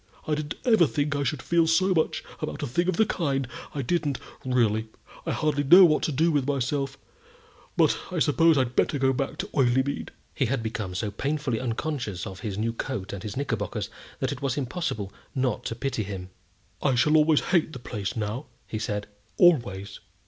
I didn't ever think I should feel so much about a thing of the kind I didn't, really. I hardly know what to do with myself; but I suppose I'd better go back to Oileymead." He had become so painfully unconscious of his new coat and his knickerbockers that it was impossible not to pity him. "I shall always hate the place now," he said, "always."